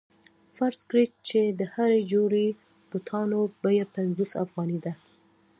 فرض کړئ چې د هرې جوړې بوټانو بیه پنځوس افغانۍ ده